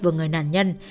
với người nạn nhân